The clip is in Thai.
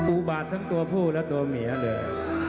อุบาตทั้งตัวผู้และตัวเมียเลย